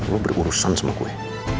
lo berurusan sama gue